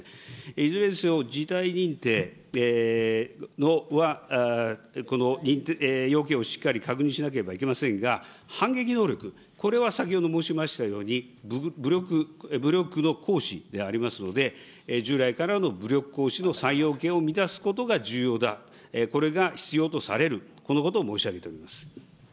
いずれにせよ、事態認定はこの要件をしっかり確認しなければいけませんが、反撃能力、これは先ほど申しましたように、武力の行使でありますので、従来からの武力行使の三要件を満たすことが重要だ、これが必要とされる、このことを申し上げております。